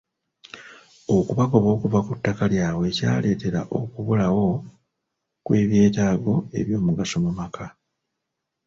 Okubagoba okuva ku ttaka lyabwe kyaleetera okubulawo kw'ebyetaago eby'omugaso mu maka.